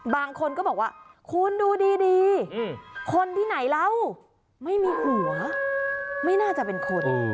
บางคนก็บอกว่าคุณดูดีคนที่ไหนเราไม่มีหัวไม่น่าจะเป็นคน